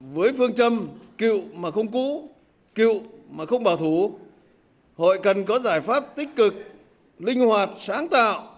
với phương châm cựu mà không cũ cựu mà không bảo thủ hội cần có giải pháp tích cực linh hoạt sáng tạo